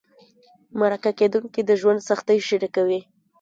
مرکه کېدونکي د ژوند سختۍ شریکوي.